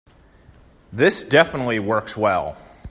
This definitely works well.